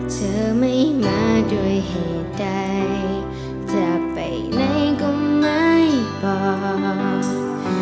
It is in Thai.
เธอไม่มาโดยเหตุใดจะไปไหนก็ไม่บอก